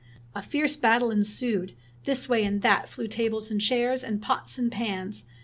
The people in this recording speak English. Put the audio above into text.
A fierce battle ensued. This way and that flew tables and chairs, and pots and pans.